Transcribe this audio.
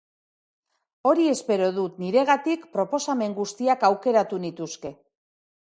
Hori espero dut, niregatik, proposamen guztiak aukeratu nituzke.